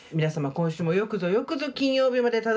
今週もよくぞよくぞ金曜日までたどりつきました！